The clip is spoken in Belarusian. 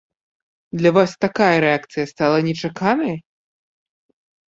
Для вас такая рэакцыя стала нечаканай?